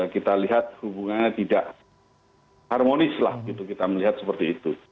kita lihat hubungannya tidak harmonis lah gitu kita melihat seperti itu